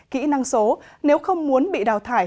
kỹ năng số nếu không muốn bị đào thải